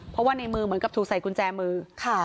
เพราะว่าในมือเหมือนกับถูกใส่กุญแจมือ